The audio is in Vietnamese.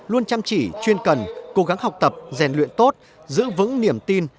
luôn chăm chỉ chuyên cần cố gắng học tập rèn luyện tốt giữ vững niềm tin